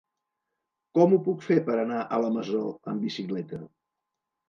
Com ho puc fer per anar a la Masó amb bicicleta?